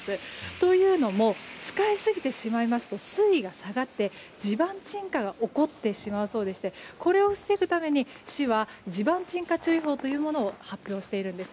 というのも使いすぎてしまいますと水位が下がって、地盤沈下が起こってしまうそうでしてこれを防ぐために、市は地盤沈下注意報というものを発表しているんです。